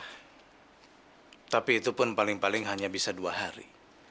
hai tapi itu pun paling paling hanya bisa dua hari